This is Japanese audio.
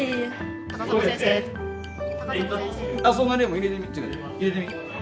入れてみ。